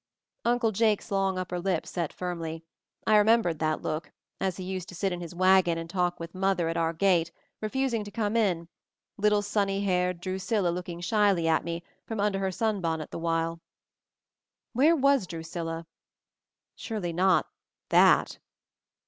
Uncle Jake's long upper lip set firmly; I remembered that look, as he used to sit in his wagon and talk with mother &t our gate, refusing to come in, little sunny haired Drusilla looking shyly at me from under her sunbonnet the while. Where was Drusilla? Surely not — that!